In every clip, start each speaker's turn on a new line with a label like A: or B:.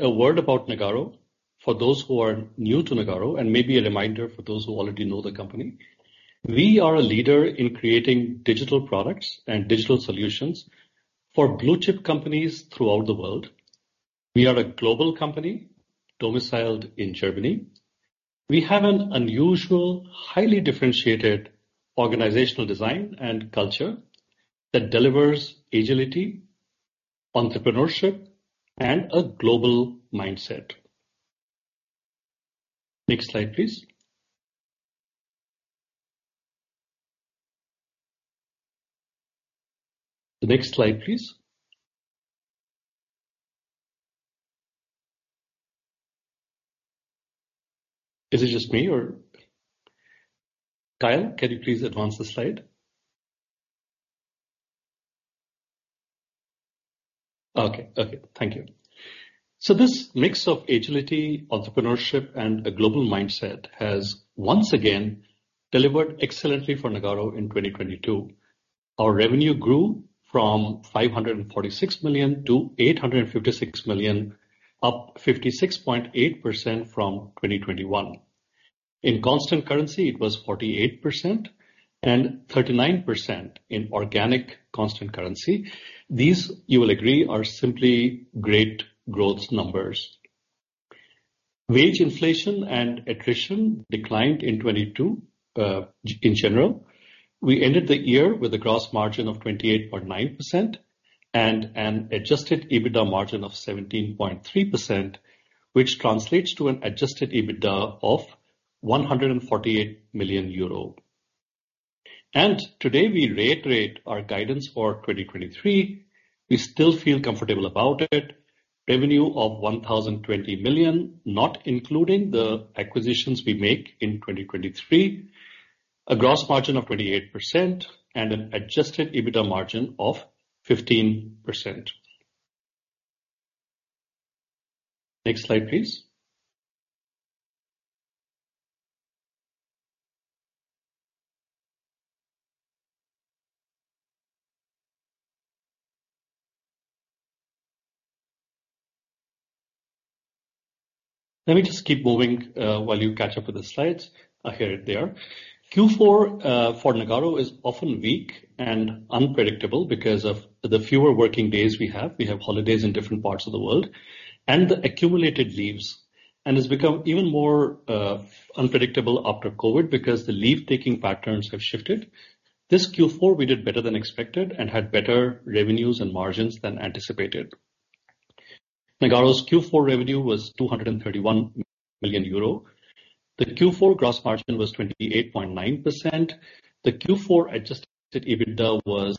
A: A word about Nagarro. For those who are new to Nagarro, and maybe a reminder for those who already know the company, we are a leader in creating digital products and digital solutions for blue chip companies throughout the world. We are a global company domiciled in Germany. We have an unusual, highly differentiated organizational design and culture that delivers agility, entrepreneurship, and a global mindset. Next slide, please. Next slide, please. Is it just me or Kyle, can you please advance the slide? Okay. Okay, thank you. This mix of agility, entrepreneurship, and a global mindset has once again delivered excellently for Nagarro in 2022. Our revenue grew from 546 million to 856 million, up 56.8% from 2021. In constant currency it was 48% and 39% in organic constant currency. These, you will agree, are simply great growth numbers. Wage inflation and attrition declined in 2022 in general. We ended the year with a gross margin of 28.9% and an adjusted EBITDA margin of 17.3%, which translates to an adjusted EBITDA of 148 million euro. Today we reiterate our guidance for 2023. We still feel comfortable about it. Revenue of 1.020 billion, not including the acquisitions we make in 2023. A gross margin of 28% and an adjusted EBITDA margin of 15%. Next slide, please. Let me just keep moving while you catch up with the slides. Here it there. Q4 for Nagarro is often weak and unpredictable because of the fewer working days we have. We have holidays in different parts of the world. The accumulated leaves. It's become even more unpredictable after COVID because the leave-taking patterns have shifted. This Q4 we did better than expected and had better revenues and margins than anticipated. Nagarro's Q4 revenue was 231 million euro. The Q4 gross margin was 28.9%. The Q4 adjusted EBITDA was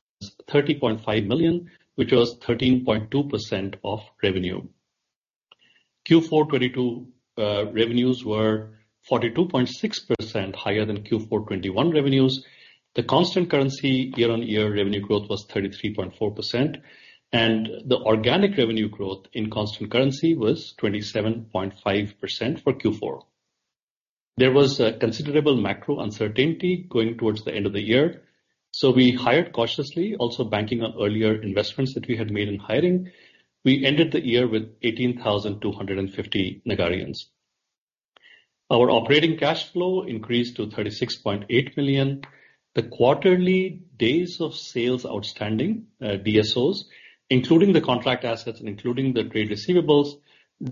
A: 30.5 million, which was 13.2% of revenue. Q4 2022 revenues were 42.6% higher than Q4 2021 revenues. The constant currency year-on-year revenue growth was 33.4%, and the organic revenue growth in constant currency was 27.5% for Q4. There was a considerable macro uncertainty going towards the end of the year, we hired cautiously, also banking on earlier investments that we had made in hiring. We ended the year with 18,250 Nagarrians. Our operating cash flow increased to 36.8 million. The quarterly days of sales outstanding, DSOs, including the contract assets and including the trade receivables,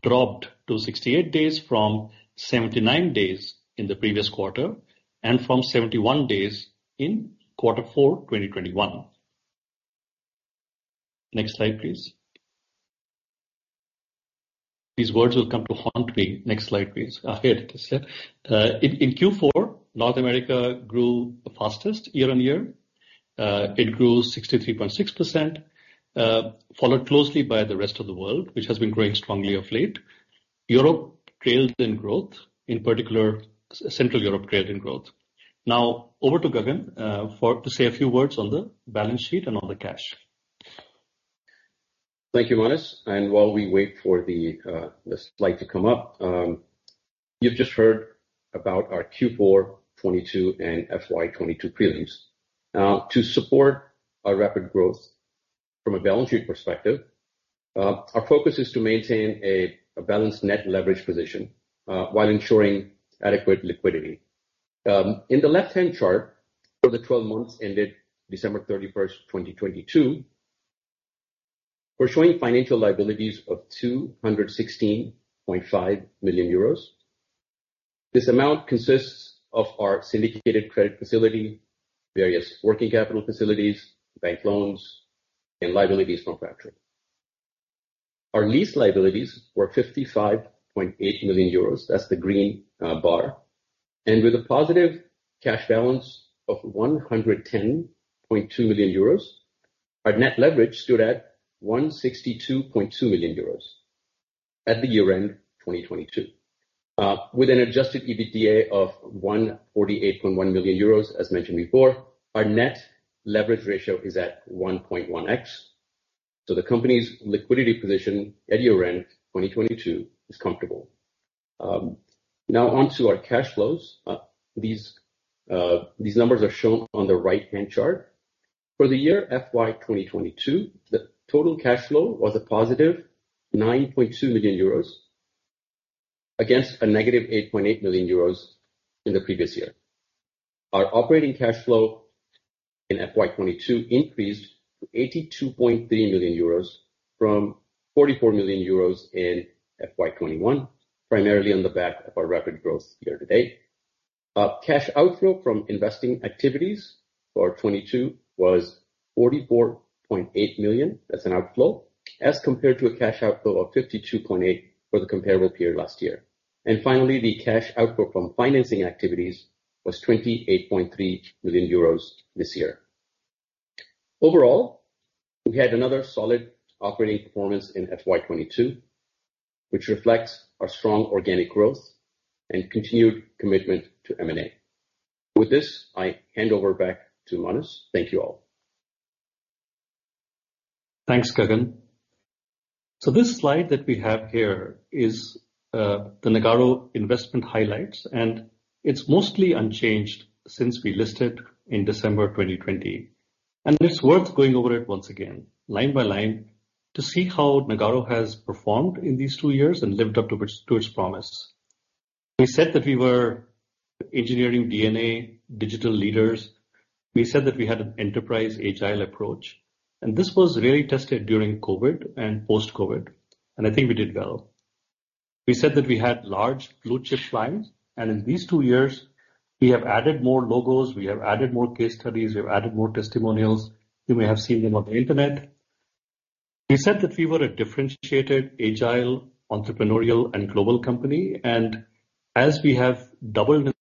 A: dropped to 68 days from 79 days in the previous quarter and from 71 days in Q4 2021. Next slide, please. These words will come to haunt me. Next slide, please. Here it is. In Q4, North America grew the fastest year-over-year. It grew 63.6%, followed closely by the rest of the world, which has been growing strongly of late. Europe trailed in growth. In particular, Central Europe trailed in growth. Over to Gagan for to say a few words on the balance sheet and on the cash.
B: Thank you, Manas. While we wait for the slide to come up, you've just heard about our Q4 2022 and FY 2022 prelims. To support our rapid growth from a balance sheet perspective, our focus is to maintain a balanced net leverage position while ensuring adequate liquidity. In the left-hand chart, for the 12 months ended December 31, 2022, we're showing financial liabilities of 216.5 million euros. This amount consists of our syndicated credit facility, various working capital facilities, bank loans, and liabilities from factoring. Our lease liabilities were 55.8 million euros, that's the green bar. With a positive cash balance of 110.2 million euros, our net leverage stood at 162.2 million euros at the year-end 2022. With an adjusted EBITDA of 148.1 million euros, as mentioned before, our net leverage ratio is at 1.1x. The company's liquidity position at year-end 2022 is comfortable. Now on to our cash flows. These numbers are shown on the right-hand chart. For the year FY 2022, the total cash flow was a positive 9.2 million euros against a negative 8.8 million euros in the previous year. Our operating cash flow in FY 2022 increased to 82.3 million euros from 44 million euros in FY 2021, primarily on the back of our rapid growth year-to-date. Cash outflow from investing activities for 2022 was 44.8 million as an outflow, as compared to a cash outflow of 52.8 for the comparable period last year. Finally, the cash outflow from financing activities was 28.3 million euros this year. Overall, we had another solid operating performance in FY 2022, which reflects our strong organic growth and continued commitment to M&A. With this, I hand over back to Manas. Thank you all.
A: Thanks, Gagan. This slide that we have here is the Nagarro investment highlights. It's mostly unchanged since we listed in December 2020. It's worth going over it once again line by line to see how Nagarro has performed in these two years and lived up to its promise. We said that we were engineering DNA digital leaders. We said that we had an enterprise agile approach. This was really tested during COVID and post-COVID, and I think we did well. We said that we had large blue chip clients. In these two years we have added more logos, we have added more case studies, we have added more testimonials. You may have seen them on the Internet. We said that we were a differentiated, agile, entrepreneurial and global company. As we have doubled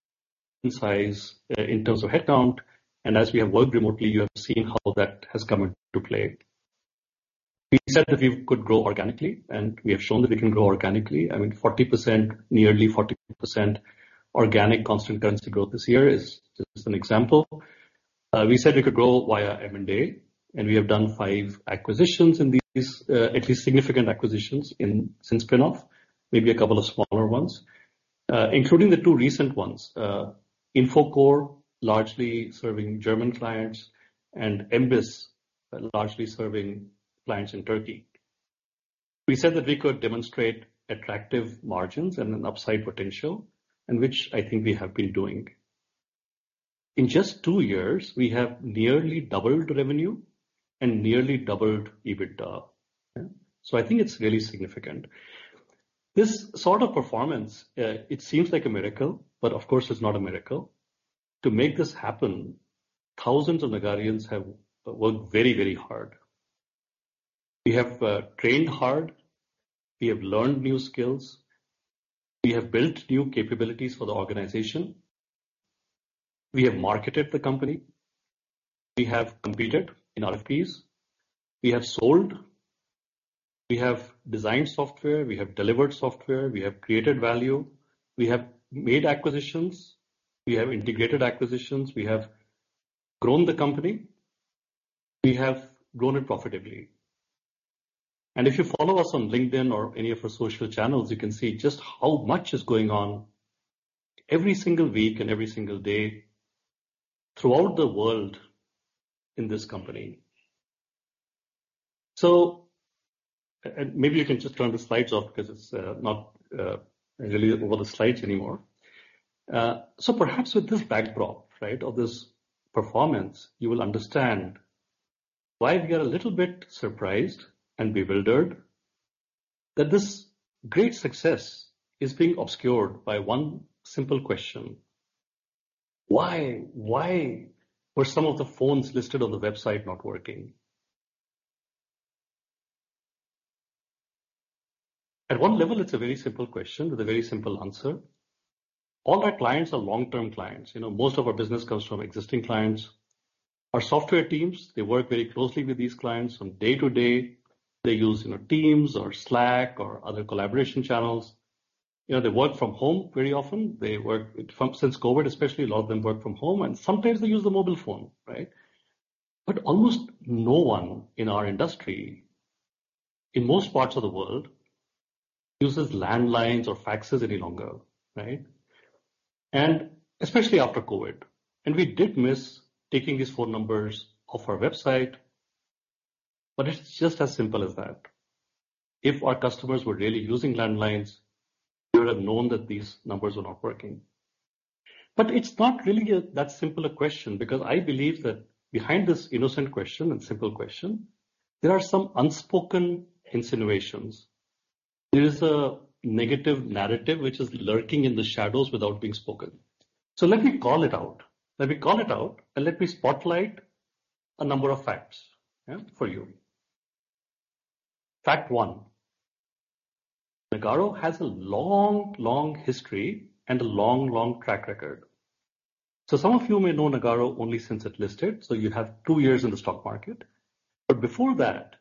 A: in size in terms of headcount and as we have worked remotely, you have seen how that has come into play. We said that we could grow organically and we have shown that we can grow organically. I mean, 40%, nearly 40% organic constant currency growth this year is just an example. We said we could grow via M&A and we have done five acquisitions at least significant acquisitions since spinoff. Maybe a couple of smaller ones, including the two recent ones. Infocore, largely serving German clients, and MBIS, largely serving clients in Turkey. We said that we could demonstrate attractive margins and an upside potential, which I think we have been doing. In just two years, we have nearly doubled revenue and nearly doubled EBITDA. I think it's really significant. This sort of performance, it seems like a miracle, but of course it's not a miracle. To make this happen, thousands of Nagarrians have worked very, very hard. We have trained hard. We have learned new skills. We have built new capabilities for the organization. We have marketed the company. We have competed in RFPs. We have sold. We have designed software. We have delivered software. We have created value. We have made acquisitions. We have integrated acquisitions. We have grown the company. We have grown it profitably. If you follow us on LinkedIn or any of our social channels, you can see just how much is going on every single week and every single day throughout the world in this company. Maybe you can just turn the slides off because it's not really over the slides anymore. Perhaps with this backdrop, right, of this performance, you will understand why we are a little bit surprised and bewildered that this great success is being obscured by one simple question. Why? Why were some of the phones listed on the website not working? At one level, it's a very simple question with a very simple answer. All our clients are long-term clients. You know, most of our business comes from existing clients. Our software teams, they work very closely with these clients from day to day. They use, you know, Teams or Slack or other collaboration channels. You know, they work from home very often. Since COVID especially, a lot of them work from home, and sometimes they use the mobile phone, right? Almost no one in our industry, in most parts of the world, uses landlines or faxes any longer, right? Especially after COVID. We did miss taking these phone numbers off our website. It's just as simple as that. If our customers were really using landlines, we would have known that these numbers were not working. It's not really that simple a question because I believe that behind this innocent question and simple question, there are some unspoken insinuations. There is a negative narrative which is lurking in the shadows without being spoken. Let me call it out. Let me call it out and let me spotlight a number of facts, yeah, for you. Fact one. Nagarro has a long, long history and a long, long track record. Some of you may know Nagarro only since it listed. You have two years in the stock market. Before that,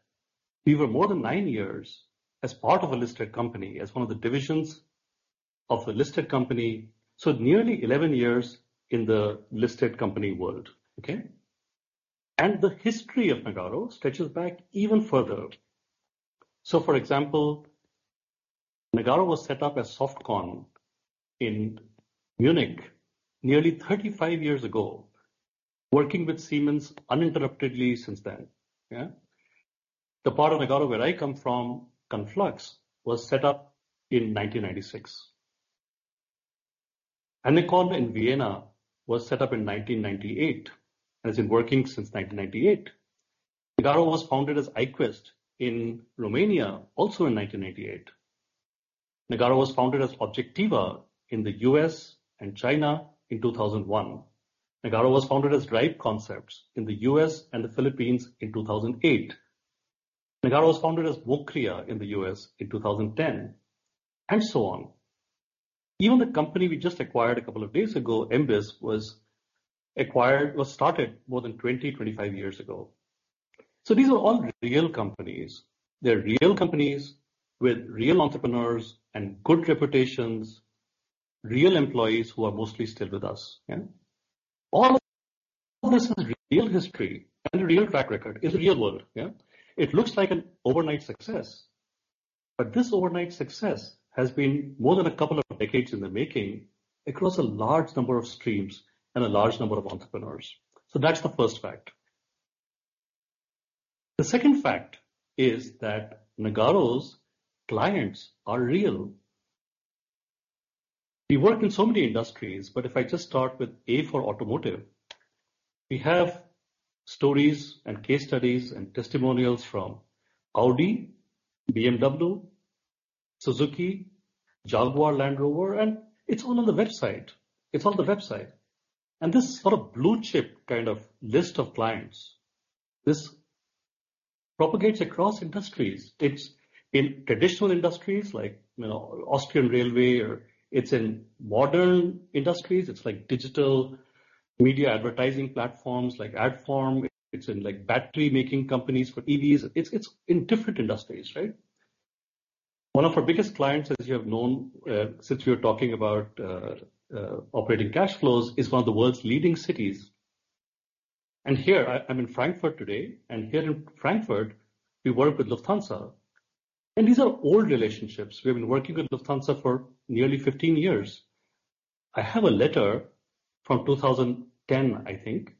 A: we were more than nine years as part of a listed company, as one of the divisions of a listed company. Nearly 11 years in the listed company world, okay. The history of Nagarro stretches back even further. For example, Nagarro was set up as Softcon in Munich nearly 35 years ago, working with Siemens uninterruptedly since then. Yeah. The part of Nagarro where I come from, Conflux, was set up in 1996. ANECON in Vienna was set up in 1998. Has been working since 1998. Nagarro was founded as iQuest in Romania also in 1988. Nagarro was founded as Objectiva in the U.S. and China in 2001. Nagarro was founded as Drive Concepts in the U.S. and the Philippines in 2008. Nagarro was founded as Vocria in the U.S. in 2010, and so on. Even the company we just acquired a couple of days ago, MBIS, was started more than 25 years ago. These are all real companies. They're real companies with real entrepreneurs and good reputations, real employees who are mostly still with us, yeah? All of this is real history and real track record in the real world, yeah? It looks like an overnight success, but this overnight success has been more than a couple of decades in the making across a large number of streams and a large number of entrepreneurs. That's the first fact. The second fact is that Nagarro's clients are real. If I just start with A for automotive, we have stories and case studies and testimonials from Audi, BMW, Suzuki, Jaguar Land Rover. It's all on the website. It's on the website. This sort of blue chip kind of list of clients, this propagates across industries. It's in traditional industries like, you know, Austrian Railway or it's in modern industries. It's like digital media advertising platforms like Adform. It's in like battery-making companies for EVs. It's in different industries, right? One of our biggest clients, as you have known, since we were talking about operating cash flows, is one of the world's leading cities. Here, I'm in Frankfurt today, and here in Frankfurt, we work with Lufthansa. These are old relationships. We've been working with Lufthansa for nearly 15 years. I have a letter from 2010, I think,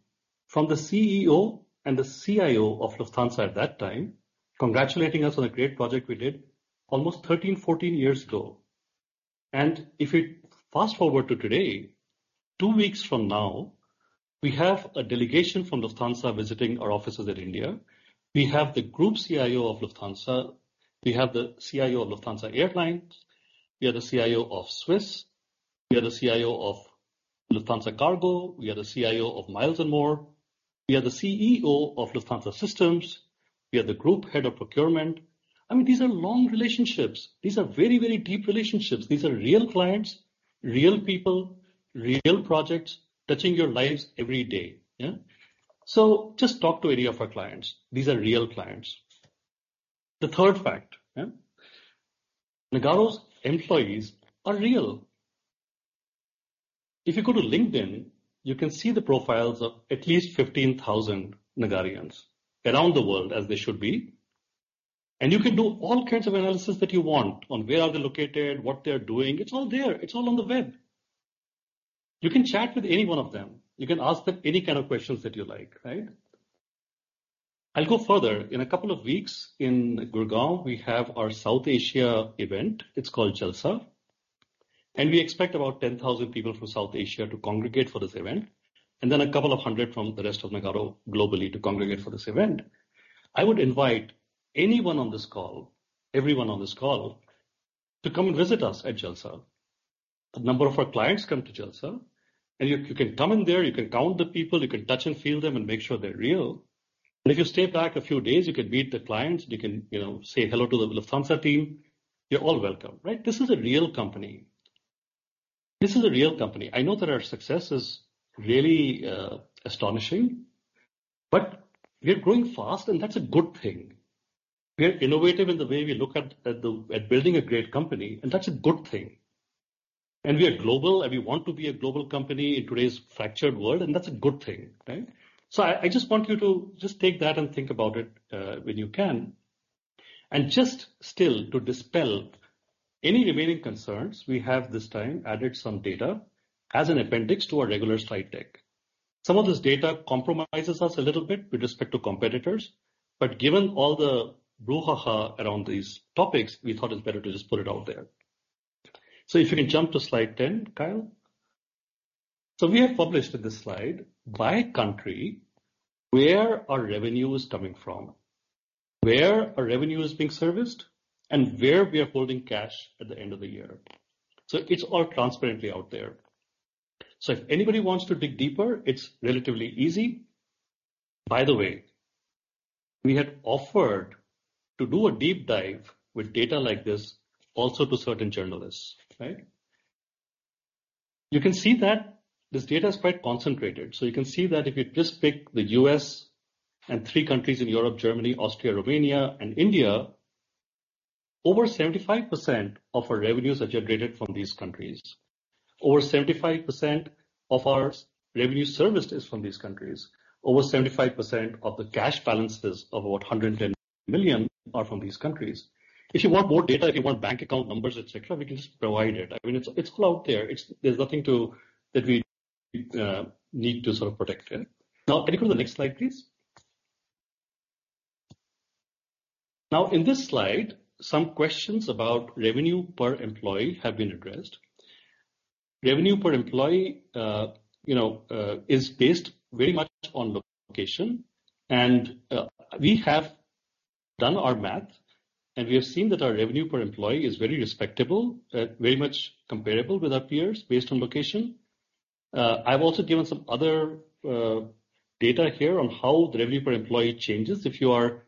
A: from the CEO and the CIO of Lufthansa at that time, congratulating us on a great project we did almost 13, 14 years ago. If you fast-forward to today, two weeks from now, we have a delegation from Lufthansa visiting our offices in India. We have the group CIO of Lufthansa. We have the CIO of Lufthansa Airlines. We have the CIO of Swiss. We have the CIO of Lufthansa Cargo. We have the CIO of Miles & More. We have the CEO of Lufthansa Systems. We have the group head of procurement. I mean, these are long relationships. These are very deep relationships. These are real clients, real people, real projects touching your lives every day, yeah? Just talk to any of our clients. These are real clients. The third fact, yeah? Nagarro's employees are real. If you go to LinkedIn, you can see the profiles of at least 15,000 Nagarrians around the world as they should be. You can do all kinds of analysis that you want on where are they located, what they're doing. It's all there. It's all on the web. You can chat with any one of them. You can ask them any kind of questions that you like, right? I'll go further. In a couple of weeks in Gurgaon, we have our South Asia event. It's called Jalsa. We expect about 10,000 people from South Asia to congregate for this event, and then a couple of hundred from the rest of Nagarro globally to congregate for this event. I would invite anyone on this call, everyone on this call, to come and visit us at Jalsa. A number of our clients come to Jalsa, and you can come in there, you can count the people, you can touch and feel them and make sure they're real. If you stay back a few days, you can meet the clients. You can, you know, say hello to the Lufthansa team. You're all welcome, right? This is a real company. This is a real company. I know that our success is really astonishing, but we're growing fast, and that's a good thing. We're innovative in the way we look at building a great company, and that's a good thing. We are global, and we want to be a global company in today's fractured world, and that's a good thing, right? I just want you to just take that and think about it when you can. Just still to dispel any remaining concerns, we have this time added some data as an appendix to our regular slide deck. Some of this data compromises us a little bit with respect to competitors, but given all the brouhaha around these topics, we thought it's better to just put it out there. If you can jump to slide 10, Kyle. We have published in this slide by country where our revenue is coming from, where our revenue is being serviced, and where we are holding cash at the end of the year. It's all transparently out there. If anybody wants to dig deeper, it's relatively easy. By the way, we had offered to do a deep dive with data like this also to certain journalists, right? You can see that this data is quite concentrated. You can see that if you just pick the U.S. and three countries in Europe, Germany, Austria, Romania, and India, over 75% of our revenues are generated from these countries. Over 75% of our revenue service is from these countries. Over 75% of the cash balances of over 110 million are from these countries. If you want more data, if you want bank account numbers, et cetera, we can just provide it. I mean, it's all out there. It's. There's nothing that we need to sort of protect. Can you go to the next slide, please? In this slide, some questions about revenue per employee have been addressed. Revenue per employee, you know, is based very much on location. We have done our math, and we have seen that our revenue per employee is very respectable, very much comparable with our peers based on location. I've also given some other data here on how the revenue per employee changes if you are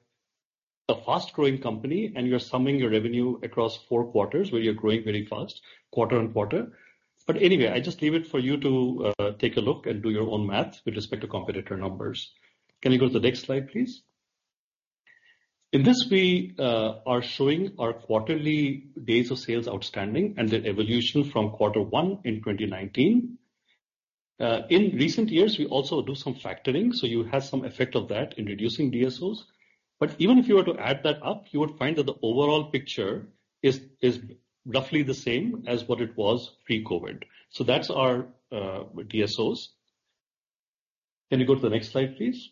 A: a fast-growing company and you're summing your revenue across four quarters where you're growing very fast quarter on quarter. Anyway, I just leave it for you to take a look and do your own math with respect to competitor numbers. Can you go to the next slide, please? In this, we are showing our quarterly days of sales outstanding and their evolution from quarter one in 2019. In recent years, we also do some factoring, so you have some effect of that in reducing DSOs. Even if you were to add that up, you would find that the overall picture is roughly the same as what it was pre-COVID. That's our DSOs. Can you go to the next slide, please?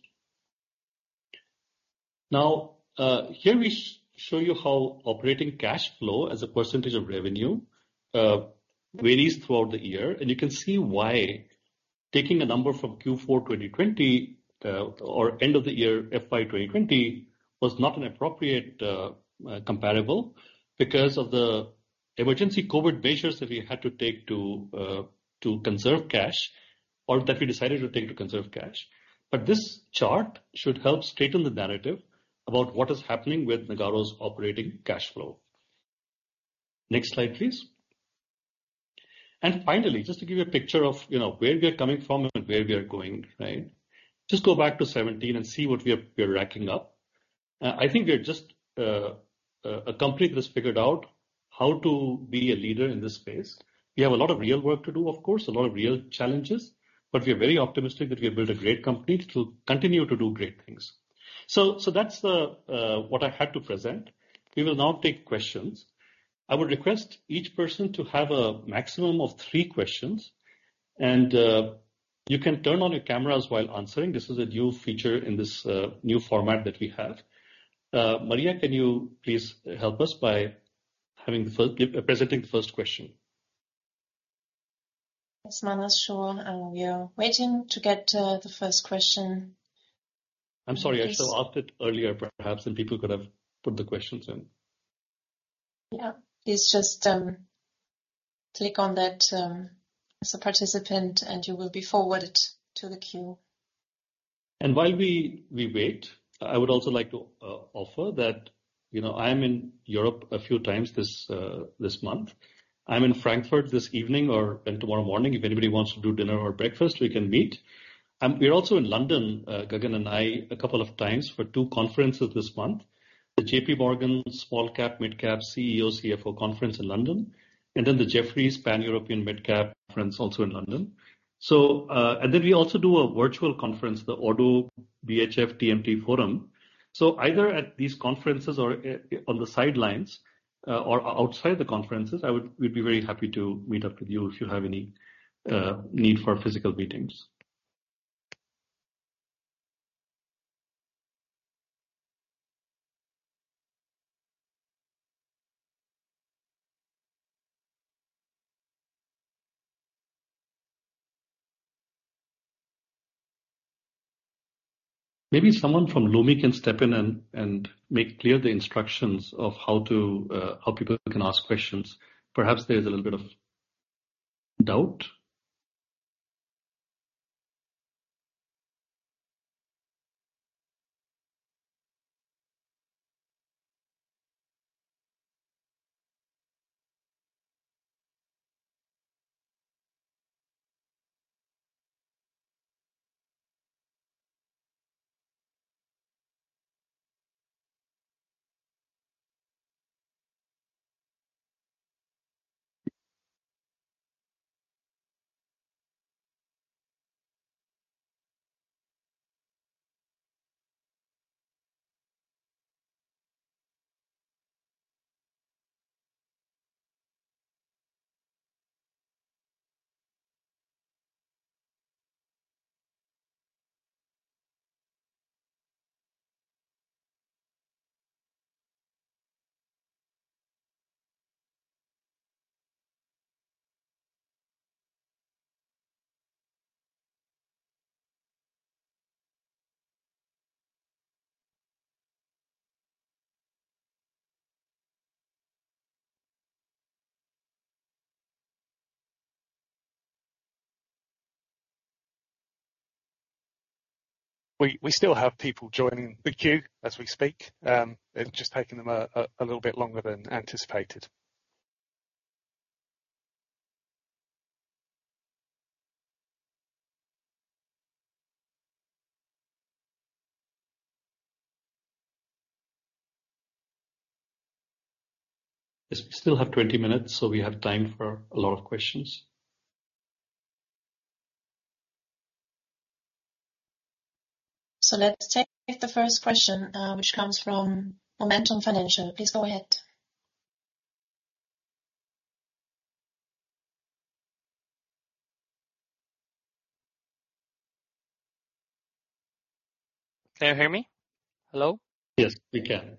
A: Here we show you how operating cash flow as a percentage of revenue varies throughout the year. You can see why taking a number from Q4 2020, or end of the year FY 2020 was not an appropriate comparable because of the emergency COVID measures that we had to take to conserve cash, or that we decided to take to conserve cash. This chart should help straighten the narrative about what is happening with Nagarro's operating cash flow. Next slide, please. Finally, just to give you a picture of, you know, where we are coming from and where we are going, right? Just go back to 2017 and see what we are, we are racking up. I think we are just a company that has figured out how to be a leader in this space. We have a lot of real work to do, of course, a lot of real challenges, but we are very optimistic that we have built a great company to continue to do great things. That's what I had to present. We will now take questions. I would request each person to have a maximum of three questions. You can turn on your cameras while answering. This is a new feature in this new format that we have. Maria, can you please help us by presenting the first question?
C: Yes, Manas, sure. We are waiting to get the first question.
A: I'm sorry. I should have asked it earlier, perhaps. People could have put the questions in.
C: Yeah. Please just, click on that, as a participant, and you will be forwarded to the queue.
A: While we wait, I would also like to offer that, you know, I am in Europe a few times this month. I'm in Frankfurt this evening or tomorrow morning. If anybody wants to do dinner or breakfast, we can meet. We're also in London, Gagan and I, a couple of times for two conferences this month. The JPMorgan Small Cap/Mid Cap CEO CFO Conference in London, the Jefferies Pan-European Mid-Cap Conference also in London. We also do a virtual conference, the ODDO BHF TMT Forum. Either at these conferences or on the sidelines or outside the conferences, we'd be very happy to meet up with you if you have any need for physical meetings. Maybe someone from Lumi can step in and make clear the instructions of how to, how people can ask questions. Perhaps there's a little bit of doubt.
B: We still have people joining the queue as we speak. It's just taking them a little bit longer than anticipated.
A: Yes, we still have 20 minutes, so we have time for a lot of questions.
C: Let's take the first question, which comes from Momentum Financial. Please go ahead.
D: Can you hear me? Hello?
A: Yes, we can.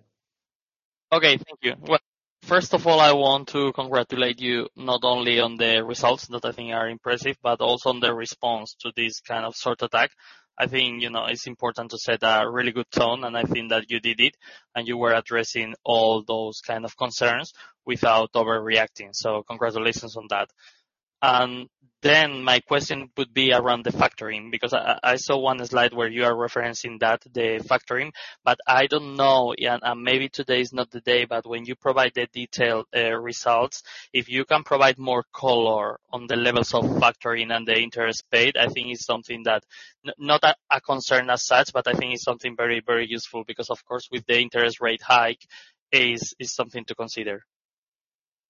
D: Okay. Thank you. Well, first of all, I want to congratulate you not only on the results that I think are impressive, but also on the response to this kind of short attack. I think, you know, it's important to set a really good tone, and I think that you did it, and you were addressing all those kind of concerns without overreacting. Congratulations on that. My question would be around the factoring, because I saw one slide where you are referencing that, the factoring, but I don't know, and maybe today is not the day, but when you provide the detailed results, if you can provide more color on the levels of factoring and the interest paid, I think it's something that's not a concern as such, but I think it's something very, very useful because of course, with the interest rate hike is something to consider.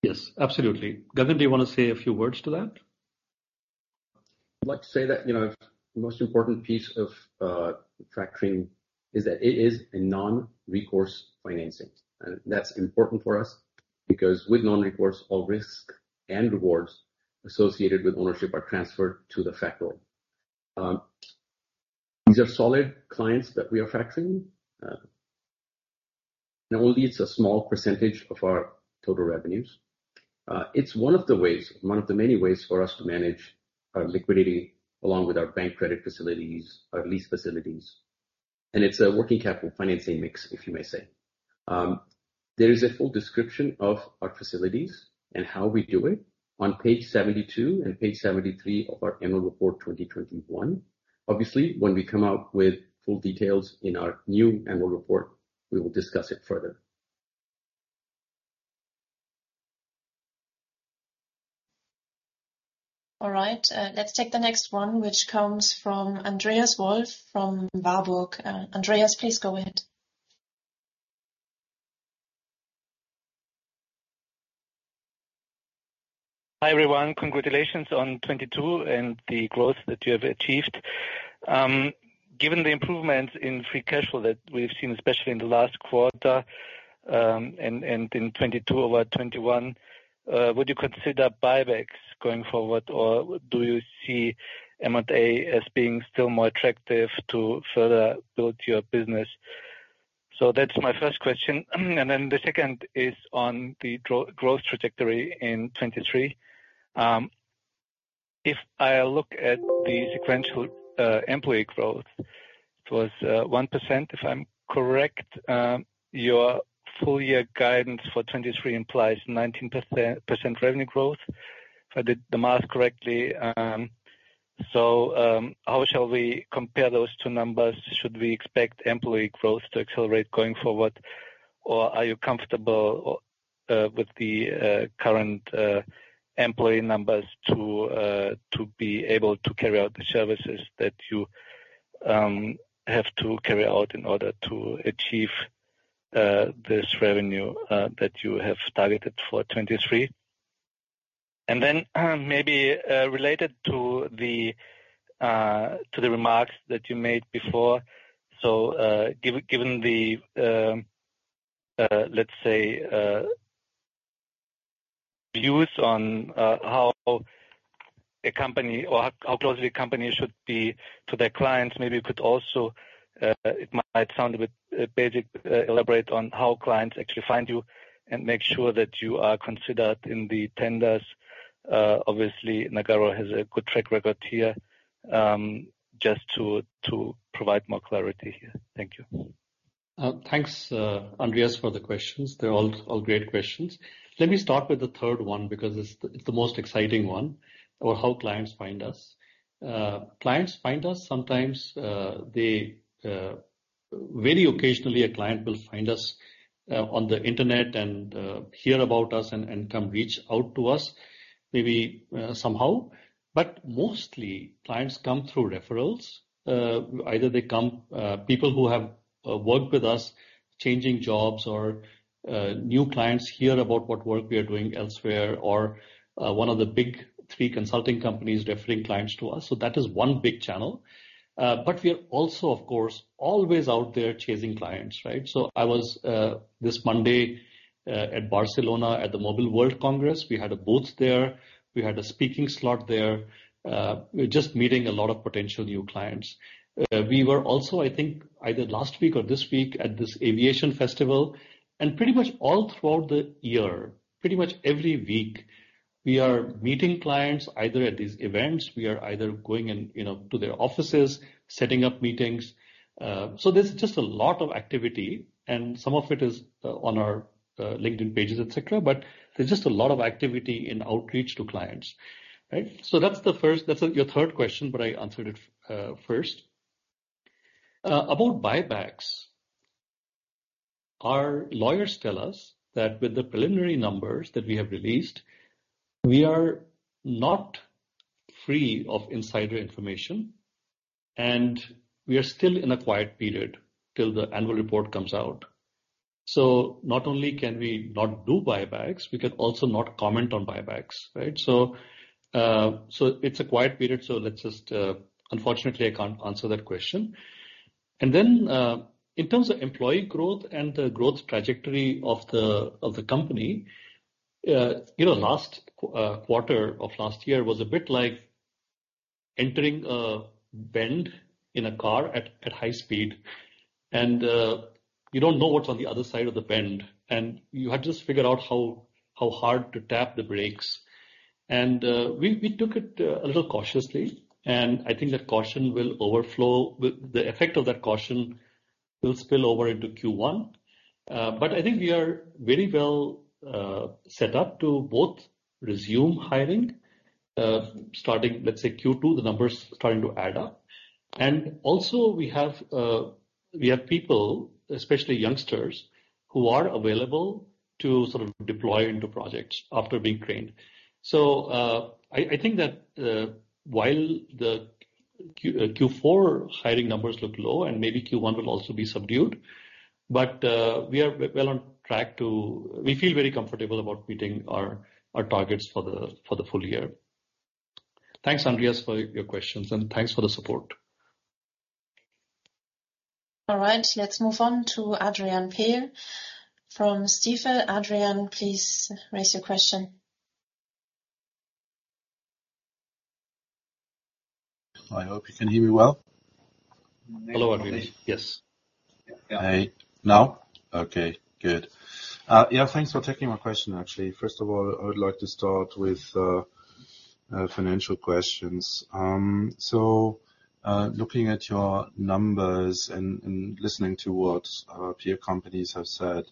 A: Yes, absolutely. Gagan, do you want to say a few words to that?
B: I'd like to say that, you know, the most important piece of factoring is that it is a non-recourse financing. That's important for us because with non-recourse, all risk and rewards associated with ownership are transferred to the factor. These are solid clients that we are factoring. It only leads a small percentage of our total revenues. It's one of the ways, one of the many ways for us to manage our liquidity along with our bank credit facilities, our lease facilities, and it's a working capital financing mix, if you may say. There is a full description of our facilities and how we do it on page 72 and page 73 of our annual report 2021. Obviously, when we come out with full details in our new annual report, we will discuss it further.
C: All right. let's take the next one, which comes from Andreas Wolf, from Warburg. Andreas, please go ahead.
E: Hi, everyone. Congratulations on 2022 and the growth that you have achieved. Given the improvements in free cash flow that we've seen, especially in the last quarter, and in 2022 over 2021, would you consider buybacks going forward, or do you see M&A as being still more attractive to further build your business? That's my first question. The second is on the growth trajectory in 2023. If I look at the sequential employee growth, it was 1% if I'm correct. Your full-year guidance for 2023 implies 19% revenue growth if I did the math correctly. How shall we compare those two numbers? Should we expect employee growth to accelerate going forward, or are you comfortable with the current employee numbers to be able to carry out the services that you have to carry out in order to achieve this revenue that you have targeted for 2023? Then maybe, related to the remarks that you made before. Given the, let's say, views on how a company or how closely a company should be to their clients, maybe you could also, it might sound a bit basic, elaborate on how clients actually find you and make sure that you are considered in the tenders. Obviously, Nagarro has a good track record here, just to provide more clarity here. Thank you.
A: Thanks, Andreas for the questions. They're all great questions. Let me start with the third one, because it's the most exciting one, about how clients find us. Clients find us sometimes. Very occasionally, a client will find us on the internet and hear about us and come reach out to us, maybe, somehow. Mostly, clients come through referrals. Either they come, people who have worked with us changing jobs or new clients hear about what work we are doing elsewhere or one of the big three consulting companies referring clients to us. That is one big channel. We are also, of course, always out there chasing clients, right? I was this Monday at Barcelona at the Mobile World Congress. We had a booth there. We had a speaking slot there. We're just meeting a lot of potential new clients. We were also, I think, either last week or this week at this aviation festival, and pretty much all throughout the year, pretty much every week, we are meeting clients, either at these events, we are either going in, you know, to their offices, setting up meetings. There's just a lot of activity, and some of it is on our LinkedIn pages, et cetera, but there's just a lot of activity in outreach to clients, right? That's your third question, but I answered it, first. About buybacks. Our lawyers tell us that with the preliminary numbers that we have released, we are not free of insider information, and we are still in a quiet period till the annual report comes out. Not only can we not do buybacks, we can also not comment on buybacks, right? It's a quiet period, let's just. Unfortunately, I can't answer that question. In terms of employee growth and the growth trajectory of the company, you know, last quarter of last year was a bit like entering a bend in a car at high speed. You don't know what's on the other side of the bend, and you had to just figure out how hard to tap the brakes. We took it a little cautiously, and I think the effect of that caution will spill over into Q1. I think we are very well set up to both resume hiring, starting, let's say Q2, the numbers starting to add up. We have people, especially youngsters, who are available to sort of deploy into projects after being trained. I think that while the Q4 hiring numbers look low and maybe Q1 will also be subdued, but we are well on track to. We feel very comfortable about meeting our targets for the full-year. Thanks, Andreas, for your questions, and thanks for the support.
C: All right. Let's move on to Adrian Pehl from Stifel. Adrian, please raise your question.
F: I hope you can hear me well.
A: Hello, Adrian. Yes.
F: Hey. Now? Okay, good. Yeah, thanks for taking my question, actually. First of all, I would like to start with financial questions. Looking at your numbers and listening to what our peer companies have said,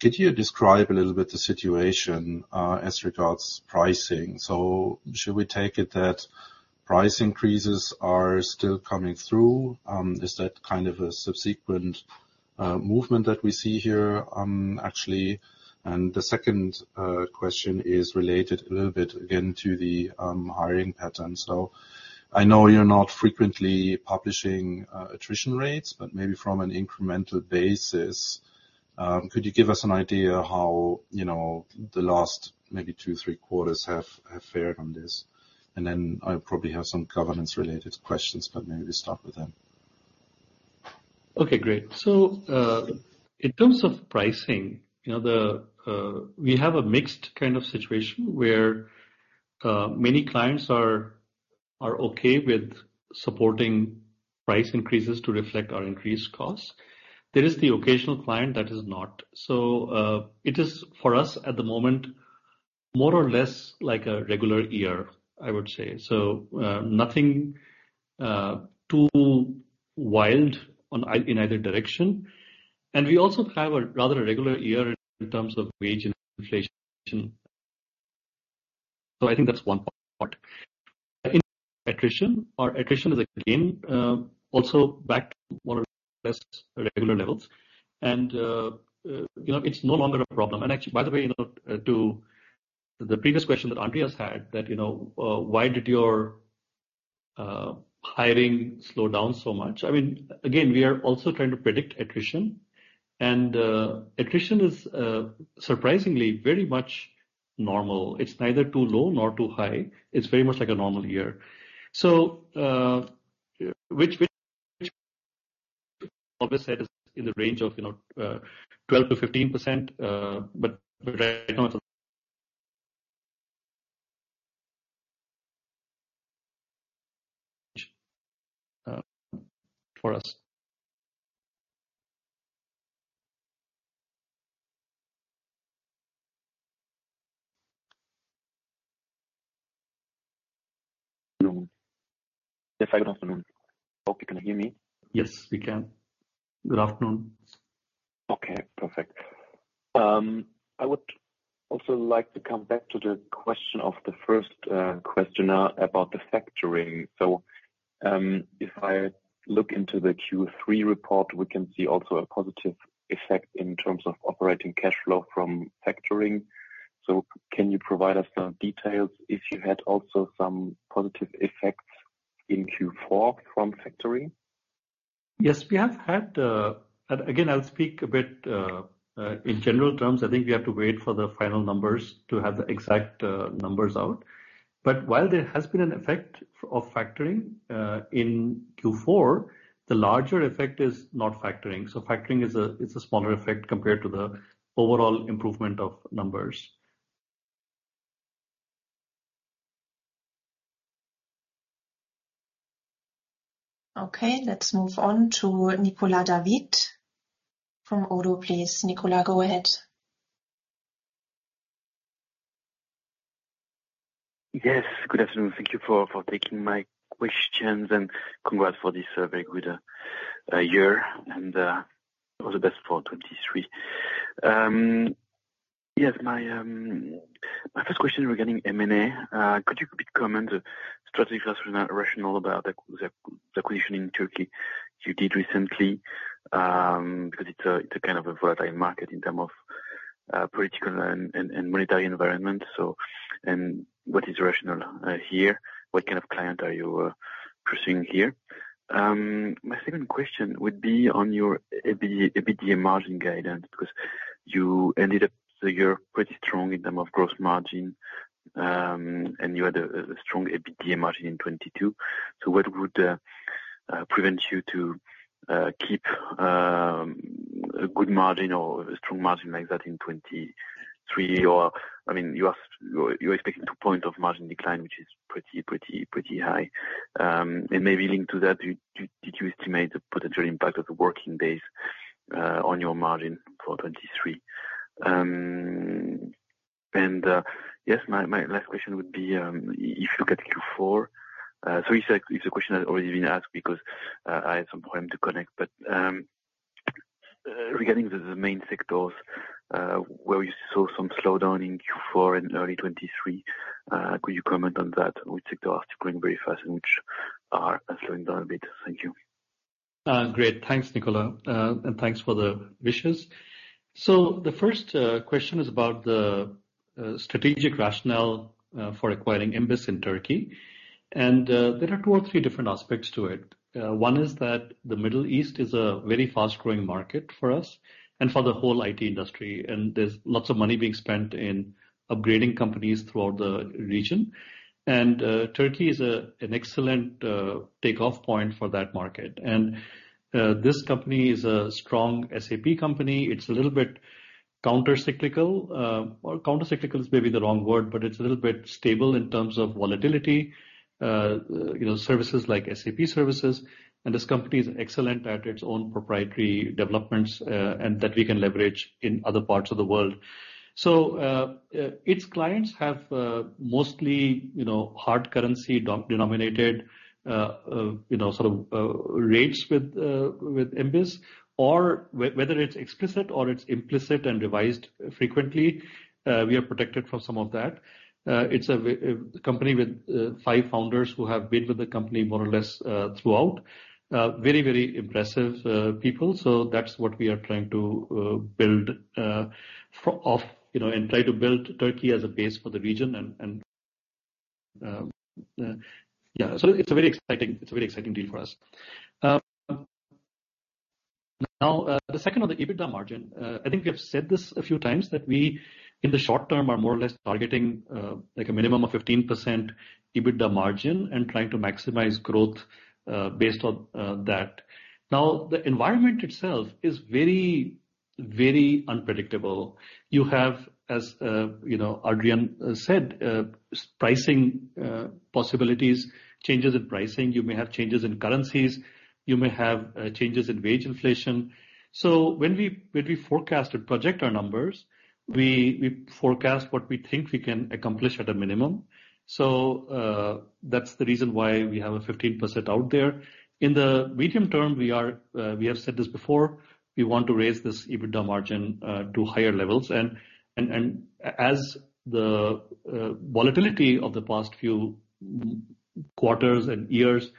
F: could you describe a little bit the situation as regards pricing? Should we take it that price increases are still coming through? Is that kind of a subsequent movement that we see here, actually? The second question is related a little bit again to the hiring pattern. I know you're not frequently publishing attrition rates, but maybe from an incremental basis, could you give us an idea how, you know, the last maybe two, three quarters have fared on this? I probably have some governance related questions, but maybe start with that.
A: Okay, great. In terms of pricing, you know, we have a mixed kind of situation where many clients are okay with supporting price increases to reflect our increased costs. There is the occasional client that is not. It is for us at the moment, more or less like a regular year, I would say. Nothing too wild in either direction. We also have a rather regular year in terms of wage and inflation. I think that's one part. In attrition. Our attrition is again also back to more or less regular levels. You know, it's no longer a problem. Actually, by the way, you know, to the previous question that Andreas had that, you know, why did your hiring slow down so much? I mean, again, we are also trying to predict attrition. Attrition is surprisingly very much normal. It's neither too low nor too high. It's very much like a normal year. Which always said is in the range of, you know, 12%-15%, but right now it's for us.
G: Good afternoon. Hope you can hear me.
A: Yes, we can. Good afternoon.
G: Okay, perfect. I would also like to come back to the question of the first questioner about the factoring. If I look into the Q3 report, we can see also a positive effect in terms of operating cash flow from factoring. Can you provide us some details if you had also some positive effects in Q4 from factoring?
A: Yes, we have had. Again, I'll speak a bit in general terms. I think we have to wait for the final numbers to have the exact numbers out. While there has been an effect of factoring in Q4, the larger effect is not factoring. Factoring is a smaller effect compared to the overall improvement of numbers.
C: Okay, let's move on to Nicolas David from ODDO. Please, Nicolas, go ahead.
H: Yes, good afternoon. Thank you for taking my questions and congrats for this very good year and all the best for 2023. Yes. My first question regarding M&A. Could you comment strategic rationale about the acquisition in Turkey you did recently? Because it's a kind of a volatile market in terms of political and monetary environment. What is the rationale here? What kind of client are you pursuing here? My second question would be on your EBITDA margin guidance, because you ended up the year pretty strong in terms of gross margin, and you had a strong EBITDA margin in 2022. What would prevent you to keep a good margin or a strong margin like that in 2023? I mean, you are expecting two point of margin decline, which is pretty, pretty high. Maybe linked to that, did you estimate the potential impact of the working days on your margin for 2023? Yes, my last question would be, if you look at Q4, it's a question that has already been asked because I had some problem to connect but regarding the main sectors where you saw some slowdown in Q4 and early 2023, could you comment on that? Which sectors are growing very fast and which are slowing down a bit? Thank you.
A: Great. Thanks, Nicolas, and thanks for the wishes. The first question is about the strategic rationale for acquiring MBIS in Turkey. There are two or three different aspects to it. One is that the Middle East is a very fast-growing market for us and for the whole IT industry, there's lots of money being spent in upgrading companies throughout the region. Turkey is an excellent takeoff point for that market. This company is a strong SAP company. It's a little bit counter-cyclical. Well, counter-cyclical is maybe the wrong word, it's a little bit stable in terms of volatility. You know, services like SAP services. This company is excellent at its own proprietary developments, that we can leverage in other parts of the world. Its clients have, mostly, you know, hard currency denominated, you know, sort of, rates with MBIS or whether it's explicit or it's implicit and revised frequently, we are protected from some of that. It's a company with five founders who have been with the company more or less, throughout. Very, very impressive people. That's what we are trying to build, you know, and try to build Turkey as a base for the region and, yeah. It's a very exciting deal for us. Now, the second on the EBITDA margin. I think we have said this a few times that we, in the short term, are more or less targeting a minimum of 15% EBITDA margin and trying to maximize growth based on that. The environment itself is very, very unpredictable. You have as, you know, Adrian said, pricing possibilities, changes in pricing. You may have changes in currencies, you may have changes in wage inflation. When we, when we forecast or project our numbers, we forecast what we think we can accomplish at a minimum. That's the reason why we have a 15% out there. In the medium term, we are, we have said this before, we want to raise this EBITDA margin to higher levels. As the volatility of the past few quarters and years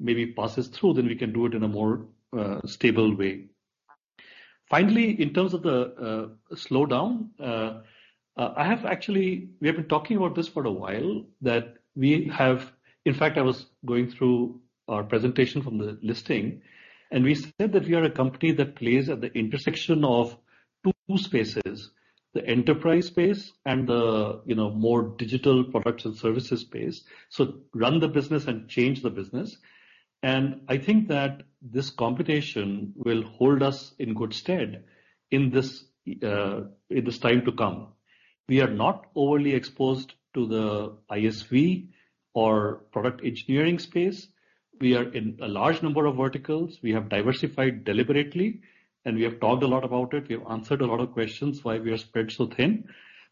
A: maybe passes through, then we can do it in a more stable way. Finally, in terms of the slowdown, I have actually. We have been talking about this for a while, that we have. In fact, I was going through our presentation from the listing, and we said that we are a company that plays at the intersection of two spaces, the enterprise space and the, you know, more digital products and services space. Run the business and change the business. I think that this computation will hold us in good stead in this time to come. We are not overly exposed to the ISV or product engineering space. We are in a large number of verticals. We have diversified deliberately. We have talked a lot about it. We have answered a lot of questions why we are spread so thin.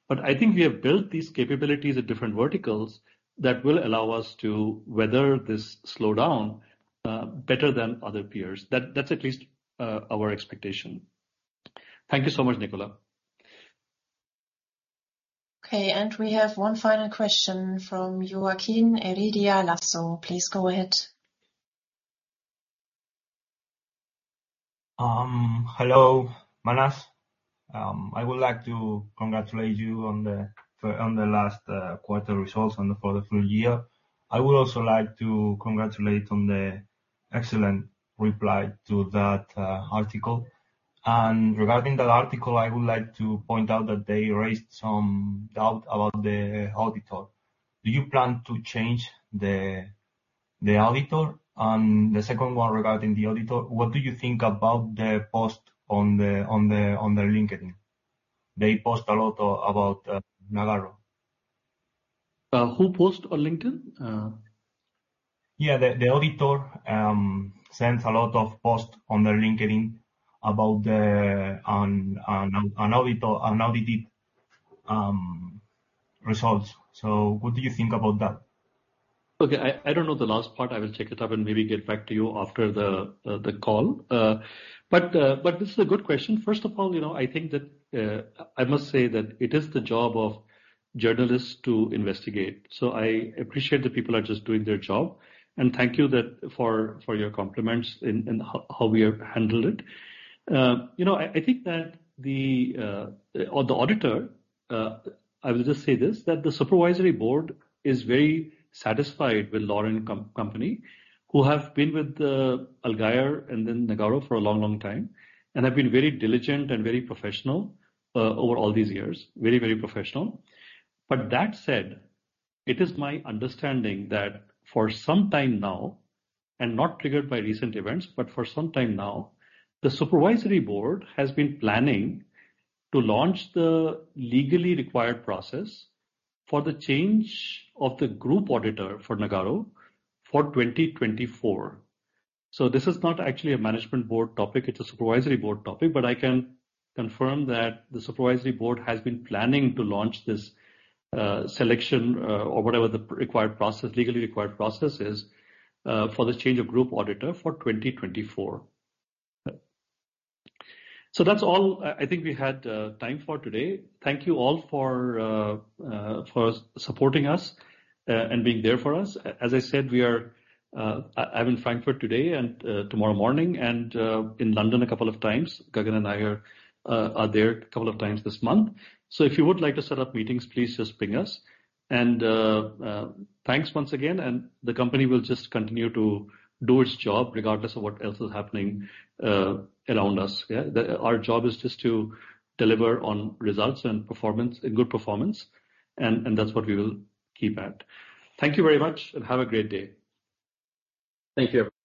A: I think we have built these capabilities at different verticals that will allow us to weather this slowdown better than other peers. That's at least our expectation. Thank you so much, Nicola.
C: Okay, we have one final question from Joaquin Heredia Lasso. Please go ahead.
I: Hello, Manas. I would like to congratulate you on the last quarter results and for the full-year. I would also like to congratulate on the excellent reply to that article. Regarding that article, I would like to point out that they raised some doubt about the auditor. Do you plan to change the auditor? The second one regarding the auditor, what do you think about the post on the LinkedIn? They post a lot about Nagarro.
A: Who post on LinkedIn?
I: Yeah. The auditor sends a lot of post on the LinkedIn about the auditor, on audit results. What do you think about that?
A: Okay. I don't know the last part. I will check it up and maybe get back to you after the call. This is a good question. First of all, you know, I think that I must say that it is the job of journalists to investigate. I appreciate the people are just doing their job, and thank you for your compliments in how we have handled it. You know, I think that the auditor, I will just say this, that the supervisory board is very satisfied with Lauren company, who have been with Allgeier and then Nagarro for a long time, and have been very diligent and very professional over all these years. Very professional. That said, it is my understanding that for some time now, and not triggered by recent events, but for some time now, the supervisory board has been planning to launch the legally required process for the change of the group auditor for Nagarro for 2024. This is not actually a management board topic, it's a supervisory board topic, but I can confirm that the supervisory board has been planning to launch this selection or whatever the required process, legally required process is for the change of group auditor for 2024. That's all I think we had time for today. Thank you all for supporting us and being there for us. As I said, we are, I'm in Frankfurt today and tomorrow morning and in London a couple of times. Gagan and I are there a couple of times this month. If you would like to set up meetings, please just ping us. Thanks once again, and the company will just continue to do its job regardless of what else is happening around us, yeah. Our job is just to deliver on results and performance, a good performance, and that's what we will keep at. Thank you very much and have a great day.
B: Thank you.